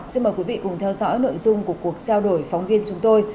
xin mời quý vị cùng theo dõi nội dung của cuộc trao đổi phóng viên chúng tôi